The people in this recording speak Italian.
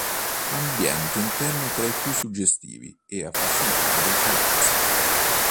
Ambiente interno tra i più suggestivi ed affascinanti del Palazzo.